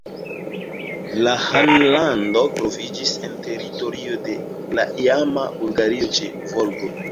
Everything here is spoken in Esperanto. La ĥanlando troviĝis en teritorio de la iama Bulgario ĉe Volgo.